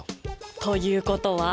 ということは！？